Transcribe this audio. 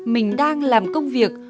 mình đang làm công việc